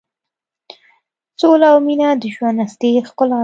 سوله او مینه د ژوند اصلي ښکلا ده.